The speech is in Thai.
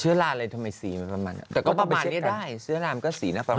เหมือนก็เป็นแค่หมู